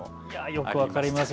よく分かりますよ。